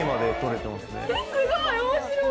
すごい面白い！